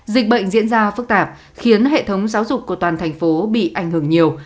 dịch bệnh diễn ra phức tạp khiến hệ thống giáo dục của toàn thành phố bị ảnh hưởng nhiều